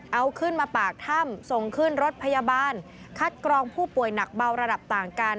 เอาขึ้นมาปากถ้ำส่งขึ้นรถพยาบาลคัดกรองผู้ป่วยหนักเบาระดับต่างกัน